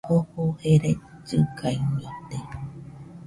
Jofo jerai llɨgaiñote